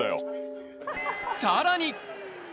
さらに。